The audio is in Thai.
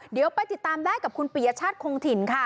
เดี๋ยวไปติดตามได้กับคุณปียชาติคงถิ่นค่ะ